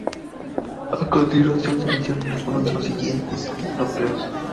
A continuación, se mencionan algunos de los siguientes núcleos.